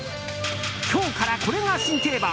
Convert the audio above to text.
今日からこれが新定番。